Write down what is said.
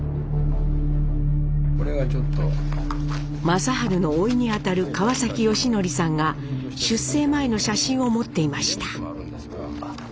正治のおいにあたる川祥記さんが出征前の写真を持っていました。